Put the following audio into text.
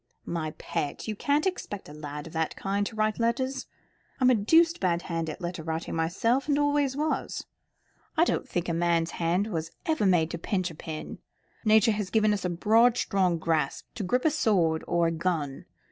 "My pet, you can't expect a lad of that kind to write letters. I am a deuced bad hand at letter writing myself, and always was. I don't think a man's hand was ever made to pinch a pen. Nature has given us a broad strong grasp, to grip a sword or a gun.